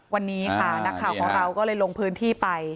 วันนี้ค่ะนักข่าวของเราก็เลยลงพื้นที่ไป